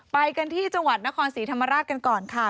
ไปกันที่จังหวัดนครศรีธรรมราชกันก่อนค่ะ